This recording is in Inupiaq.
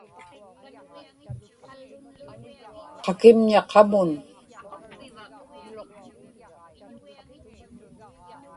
qakimña qamun